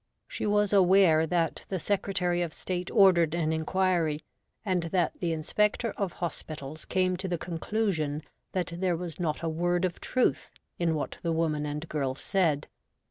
' She was aware that the Secretary of State ordered an inquiry, and that the inspector of hospitals came to the conclusion that there was not a word of truth in what the woman and girl said.